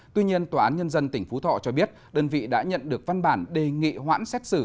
tuy nhiên tòa án nhân dân tỉnh phú thọ cho biết đơn vị đã nhận được văn bản đề nghị hoãn xét xử